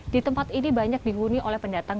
ditempat ini banyak dihuni oleh pendatang